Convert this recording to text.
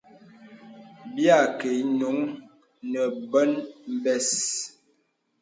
Bìa àkə īnuŋ nə bòn bə̀s.